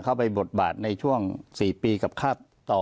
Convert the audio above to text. เข้าไปบดบาทในช่วงสี่ปีกลับคาตต่อ